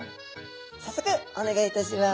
早速お願いいたします。